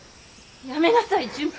やめなさい純平！